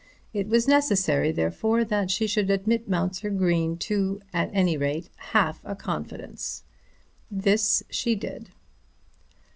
It was necessary therefore that she should admit Mounser Green to, at any rate, half a confidence. This she did.